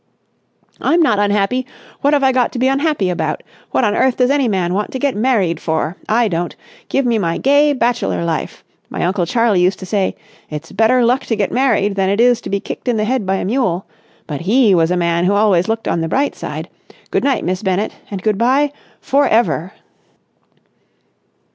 "I'm not unhappy! What have I got to be unhappy about? What on earth does any man want to get married for? I don't. Give me my gay bachelor life! My Uncle Charlie used to say 'It's better luck to get married than it is to be kicked in the head by a mule.' But he was a man who always looked on the bright side. Good night, Miss Bennett. And good bye—for ever."